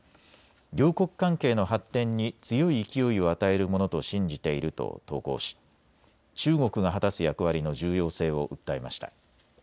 両国関係の発展に強い勢いを与えるものと信じていると投稿し中国が果たす役割の重要性を訴えました。